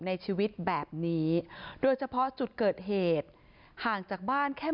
ในชีวิตแบบนี้โดยเฉพาะจุดเกิดเหตุห่างจากบ้านแค่